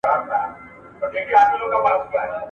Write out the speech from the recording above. چي هر څه یې وي زده کړي په کلونو `